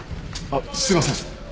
あっすいません。